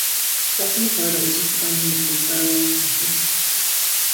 Work on the corridor was just abandoned upon the burial of Seti.